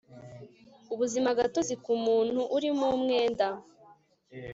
ubuzimagatozi ku muntu urimo umwenda